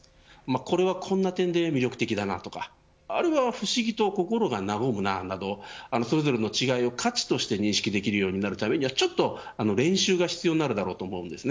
これはこんな点で魅力的だなとかあれば不思議と心が和むな、などそれぞれの違いを価値として認識できるようになるためにはちょっと練習が必要になるだろうと思います。